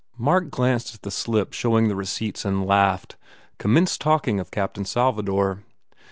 Mark glanced at the slip showing the receipts and laughed, commenced talking of "Captain Salvador."